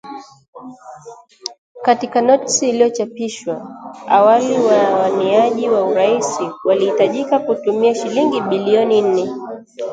Katika notisi iliyochapishwa awali wawaniaji wa urais walihitajika kutumia shilingi bilioni nne